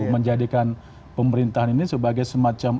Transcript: menjadikan pemerintahan ini sebagai semacam